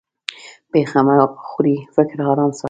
پېښه مه خورې؛ فکر ارام ساته.